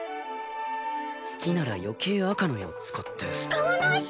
好きなら余計赤の矢を使って使わないし！